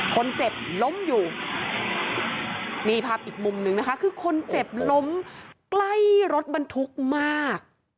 คนเจ็บล้มอยู่นี่ภาพอีกมุมนึงนะคะคือคนเจ็บล้มใกล้รถบรรทุกมาก